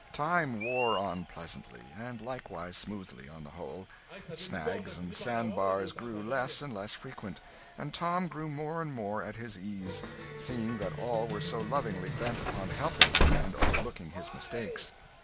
Time wore on pleasantly, and likewise smoothly, on the whole. Snags and sandbars grew less and less frequent, and Tom grew more and more at his ease, seeing that all were so lovingly bent upon helping him and overlooking his mistakes.